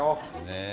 ねえ。